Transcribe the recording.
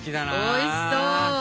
おいしそう！